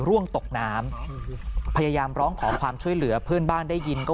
ร่วงตกน้ำพยายามร้องขอความช่วยเหลือเพื่อนบ้านได้ยินก็